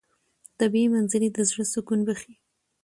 طبیعي منظرې د زړه سکون بښي.